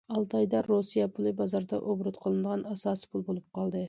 ئالتايدا رۇسىيە پۇلى بازاردا ئوبوروت قىلىنىدىغان ئاساسىي پۇل بولۇپ قالدى.